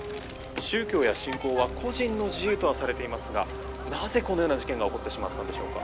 「宗教や信仰は個人の自由とはされていますがなぜこのような事件が起こってしまったんでしょうか？」